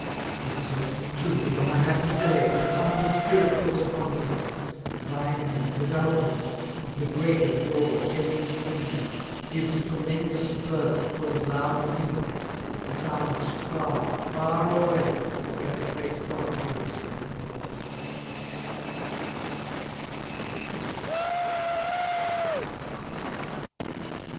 It tells me too, that on a happy day, When some good spirit walks upon the earth, Thy name with Alfred's, and the great of yore Gently commingling, gives tremendous birth To a loud hymn, that sounds far, far away To where the great God lives for evermore.